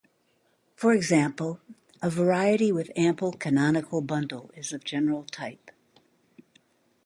For example, a variety with ample canonical bundle is of general type.